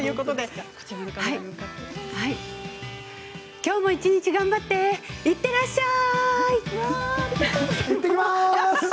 きょうも一日頑張っていってらっしゃい！